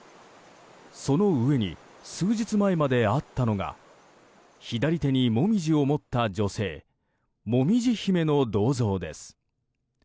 その上に数日前まであったのが左手に紅葉を持った女性もみじ姫の銅像です。